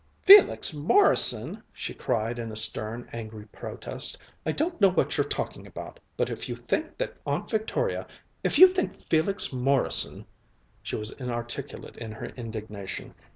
"Felix Morrison!" she cried in stern, angry protest. "I don't know what you're talking about but if you think that Aunt Victoria if you think Felix Morrison " She was inarticulate in her indignation.